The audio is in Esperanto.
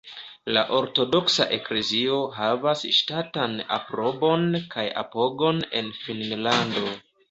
La ortodoksa eklezio havas ŝtatan aprobon kaj apogon en Finnlando.